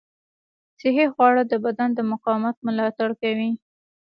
صحي خواړه د بدن د مقاومت ملاتړ کوي.